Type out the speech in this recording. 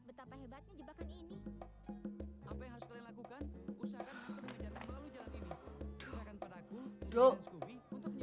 betapa hebatnya jebakan ini apa yang harus dilakukan usahakan mengajarkan lalu jalan ini